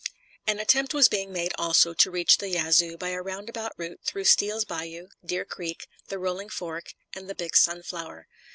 An attempt was being made also to reach the Yazoo by a roundabout route through Steele's Bayou, Deer Creek, the Rolling Fork, and the Big Sunflower.